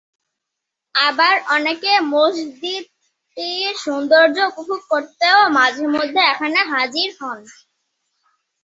আবার অনেকে মসজিদটির সৌন্দর্য উপভোগ করতেও মাঝেমধ্যে এখানে হাজির হন।